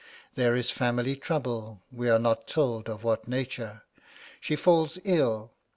There is family trouble, we are not told of what nature. She falls ill.